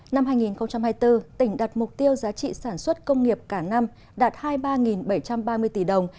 năm hai nghìn hai mươi bốn tỉnh đặt mục tiêu giá trị sản xuất công nghiệp cả năm đạt hai mươi ba bảy trăm ba mươi tỷ đồng